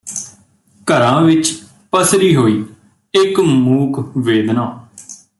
ਘਰਾਂ ਵਿਚ ਪਸਰੀ ਹੋਈ ਇਕ ਮੂਕ ਵੇਦਨਾ